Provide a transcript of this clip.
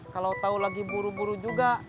kalau tahu lagi buru buru juga